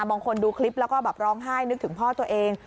บางคนดูคลิปแล้วก็แบบร้องไห้นึกถึงพ่อตัวเอง